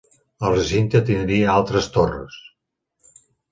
El recinte tindria altres torres.